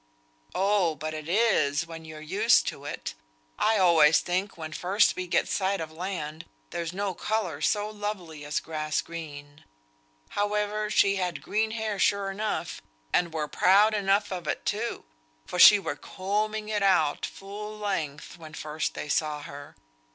"Oh! but it is when you're used to it. I always think when first we get sight of land, there's no colour so lovely as grass green. However, she had green hair sure enough; and were proud enough of it, too; for she were combing it out full length when first they saw her.